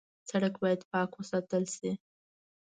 سړک باید پاک وساتل شي.